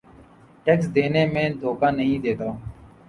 tax دینے میں دھوکہ نہیں دیتا